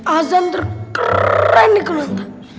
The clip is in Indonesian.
azan terkeren di kunanta